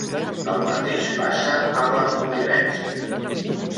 El mateix passa amb la convivència.